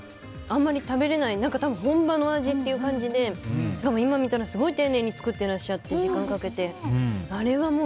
あんまり食べられない本場の味っていう感じで今見たら、すごい丁寧に作っていらっしゃって時間かけて。